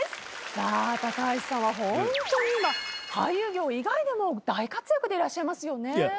さあ高橋さんはホントに今俳優業以外でも大活躍でいらっしゃいますよね。